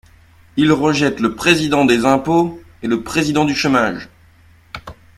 Ils rejettent le Président des impôts et le Président du chômage.